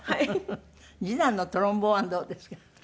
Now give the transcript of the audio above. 次男のトロンボーンはどうですか？